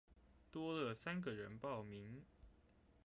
多了三個人報名